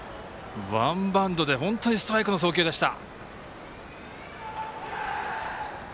ワンバウンドでストライクの送球でした。